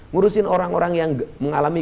ngurusin orang orang yang mengalami